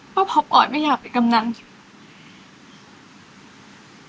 ว่าพ่อปอยไม่อยากไปกำลัง